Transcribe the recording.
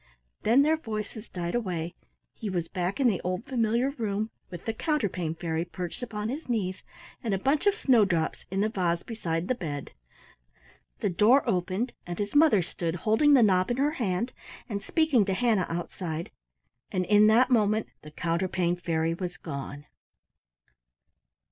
Then their voices died away. He was back in the old familiar room with the Counterpane Fairy perched upon his knees, and a bunch of snowdrops in the vase beside the bed. The door opened and his mother stood holding the knob in her hand and speaking to Hannah outside, and in that moment the Counterpane Fairy was gone.